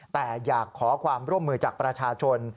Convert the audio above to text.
แต่อยากขอความร่วมมือจากประชาชน